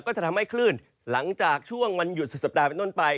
ก็จะทำให้คลื่นหลังจากช่วงวันหยุดสุดสัปดาห์เป็นต้นไป